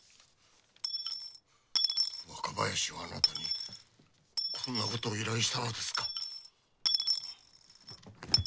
若林はあなたにこんなことを依頼したのですか？